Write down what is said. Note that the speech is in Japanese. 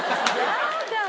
やだ！